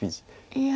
いや。